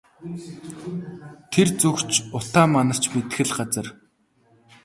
Тэр зүг ч утаа манарч мэдэх л газар.